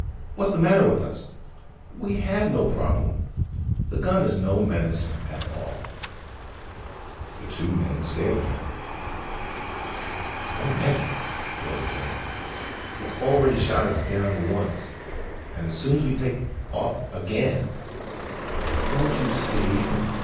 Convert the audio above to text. "What's the matter with us? We have no problem. The gun is no menace at all." The two men stared at her. "No menace?" Dorle said. "It's already shot us down once. And as soon as we take off again " "Don't you see?"